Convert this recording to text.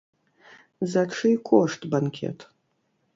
За чый кошт банкет?